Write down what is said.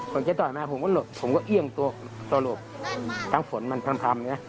ผมจะต่อยมาผมก็หลบผมก็เอี่ยงตัวสลบทั้งฝนมันพำเนี่ย